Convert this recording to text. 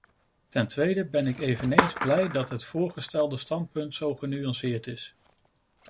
Ten tweede ben ik eveneens blij dat het voorgestelde standpunt zo genuanceerd is.